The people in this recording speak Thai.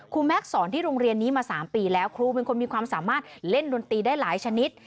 แม็กซ์สอนที่โรงเรียนนี้มา๓ปีแล้วครูเป็นคนมีความสามารถเล่นดนตรีได้หลายชนิด